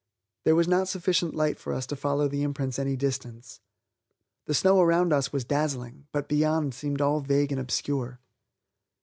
There was not sufficient light for us to follow the imprints any distance. The snow around us was dazzling, but beyond seemed all vague and obscure.